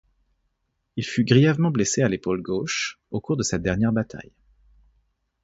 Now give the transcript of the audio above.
Il fut grièvement blessé à l'épaule gauche, au cours de cette dernière bataille.